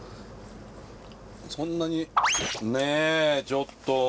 そんなにねえちょっと！